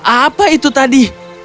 apa itu tadi